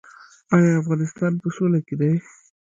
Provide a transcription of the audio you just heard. آیا افغانستان په سوله کې دی؟